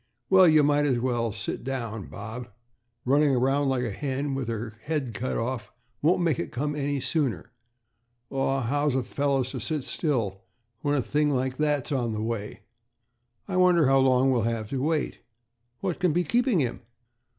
"Well, you might as well sit down, Bob. Running around like a hen with her head cut off won't make it come any sooner." "Aw, how's a fellow to sit still when a thing like that's on the way? I wonder how long we'll have to wait. What can be keeping him?"